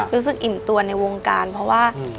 รู้สึกอิ่มตัวในวงการเพราะว่า